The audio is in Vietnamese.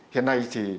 hiện nay thì